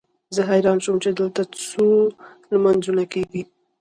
زه حیران شوم چې دلته څو لمونځونه کېږي.